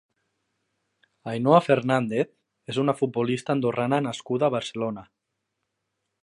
Ainhoa Fernández és una futbolista andorrana nascuda a Barcelona.